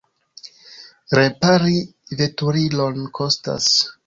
Repari veturilon kostas.